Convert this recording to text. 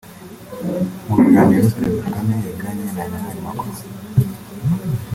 Mu biganiro Perezida Kagame yagiranye na Emmanuel Macro